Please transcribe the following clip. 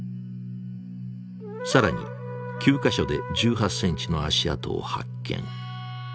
更に９か所で１８センチの足跡を発見。